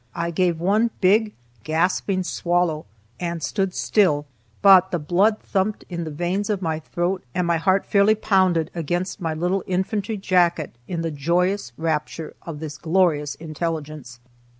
I gave one big, gasping swallow and stood still, but the blood thumped in the veins of my throat and my heart fairly pounded against my little infantry jacket in the joyous rapture of this glorious intelligence.